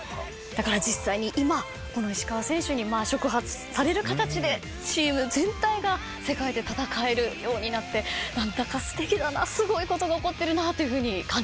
だから実際に今この石川選手に触発される形でチーム全体が世界で戦えるようになって何だかすてきだなすごいことが起こってるなというふうに感じています。